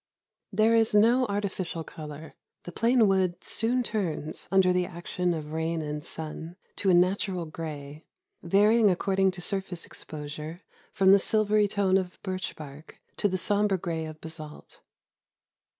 There is no artificial color. The plain wood soon turns, imder the action of rain and sun, to a natural gray, varying according to surface exposure from the silvery tone of birch bark to the somber gray of basalt.